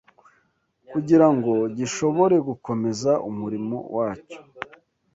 kugira ngo gishobore gukomeza umurimo wacyo